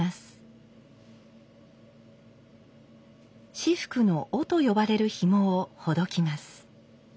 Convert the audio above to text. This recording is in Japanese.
仕覆の「緒」と呼ばれるひもをほどきます。